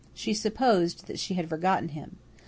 She supposed that she had forgotten him.